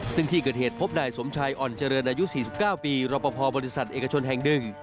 ซึ่งที่เกิดเหตุพบนายสมชายอ่อนเจริญอายุ๔๙ปีรอปภบริษัทเอกชนแห่งหนึ่ง